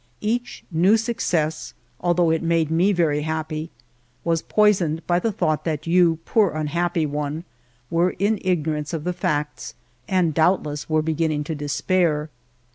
Each new success, although it made me very happy, was poisoned by the thought that you, poor unhappy one, were in ignorance of the facts and doubtless were begin ning to despair.